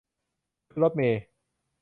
ขึ้นรถเมล์